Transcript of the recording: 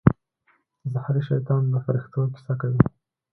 زهري شیطان د فرښتو کیسه کوي.